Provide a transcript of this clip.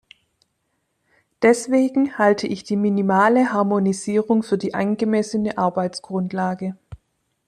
Deswegen halte ich die minimale Harmonisierung für die angemessene Arbeitsgrundlage.